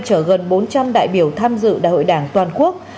chở gần bốn trăm linh đại biểu tham dự đại hội đảng toàn quốc